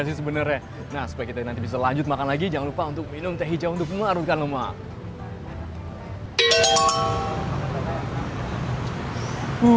supaya kita bisa lanjut makan lagi jangan lupa minum teh hijau untuk mengarutkan lemak